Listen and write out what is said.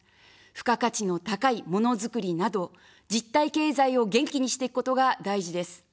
付加価値の高いものづくりなど、実体経済を元気にしていくことが大事です。